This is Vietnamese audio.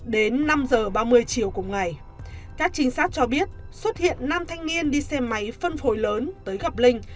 đến năm h ba mươi chiều cùng ngày các trinh sát cho biết xuất hiện nam thanh niên đi xe máy phân phối lớn tới gặp linh